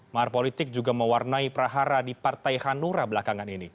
mahar politik juga mewarnai prahara di partai hanura belakangan ini